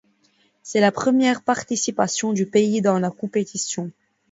C'est la première participation du pays dans la compétition.